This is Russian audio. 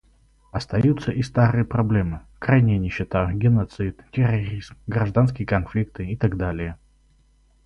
Остаются и старые проблемы: крайняя нищета, геноцид, терроризм, гражданские конфликты, и так далее.